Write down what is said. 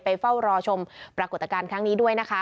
เฝ้ารอชมปรากฏการณ์ครั้งนี้ด้วยนะคะ